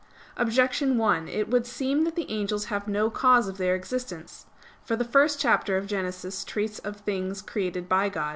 Objection 1: It would seem that the angels have no cause of their existence. For the first chapter of Genesis treats of things created by God.